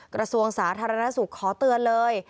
กระทรวงสาธารณสุขขอเตือนเลย